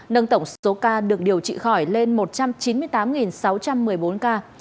nâng tổng số ca được điều trị khỏi lên một trăm chín mươi tám sáu trăm một mươi bốn ca